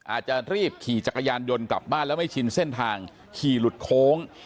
อาจจะรีบขี่จักรยานยนต์กลับบ้านแล้วไม่ชินเส้นทางขี่หลุดโค้ง